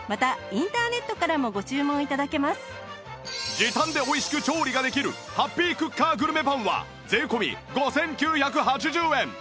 時短で美味しく調理ができるハッピークッカーグルメパンは税込５９８０円